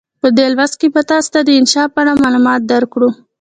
په دې لوست کې به تاسې ته د انشأ په اړه معلومات درکړو.